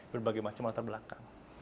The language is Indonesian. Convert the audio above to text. berbagai macam latar belakang